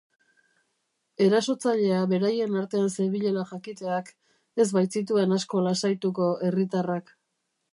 Erasotzailea beraien artean zebilela jakiteak ez baitzituen asko lasaituko herritarrak.